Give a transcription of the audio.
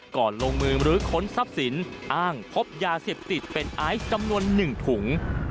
ก่อนลงมือหรือค้นทรัพย์สินอ้างพบยาเสพติดเป็นอายส์กำนวณหนึ่งถุง